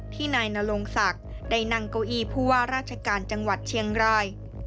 นายนรงศักดิ์ได้นั่งเก้าอี้ผู้ว่าราชการจังหวัดเชียงราย